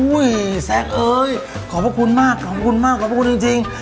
แซคเอ้ยขอบพระคุณมากขอบคุณมากขอบคุณจริง